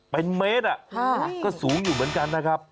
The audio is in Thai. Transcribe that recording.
เป็นเมตรก็สูงอยู่เหมือนกันนะครับ